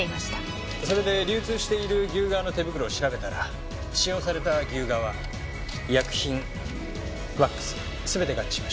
それで流通している牛革の手袋を調べたら使用された牛革医薬品ワックス全て合致しました。